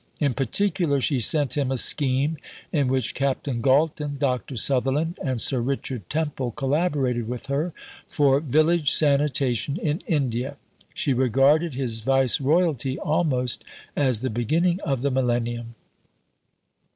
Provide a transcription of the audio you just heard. In particular, she sent him a scheme in which Captain Galton, Dr. Sutherland, and Sir Richard Temple collaborated with her for village sanitation in India. She regarded his Viceroyalty almost as the beginning of the millennium.